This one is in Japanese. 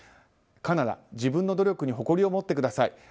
カナダ、自分の努力に誇りを持ってください。